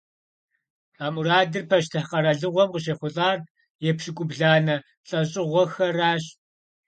А мурадыр пащтыхь къэралыгъуэм къыщехъулӀар епщыкӏубланэ лӀэщӀыгъуэхэращ.